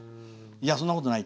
いや、そんなことない。